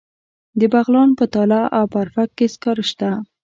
د بغلان په تاله او برفک کې سکاره شته.